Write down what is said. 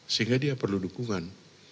sehingga dia perlu dukungan